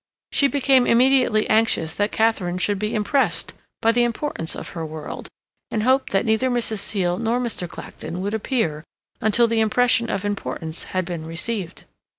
She became immediately anxious that Katharine should be impressed by the importance of her world, and hoped that neither Mrs. Seal nor Mr. Clacton would appear until the impression of importance had been received.